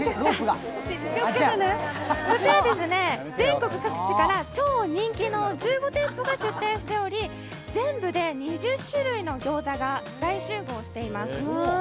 こちら全国各地から超人気の１５店舗が出店しており、全部で２０種類の餃子が大集合しています。